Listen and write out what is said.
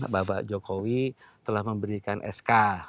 bapak jokowi telah memberikan sk